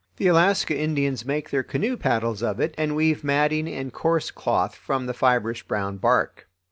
The Alaska Indians make their canoe paddles of it and weave matting and coarse cloth from the fibrous brown bark.